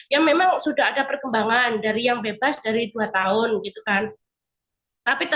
ya memang sudah ada perkembangan dari yang bebas dari dua tahun gitu kan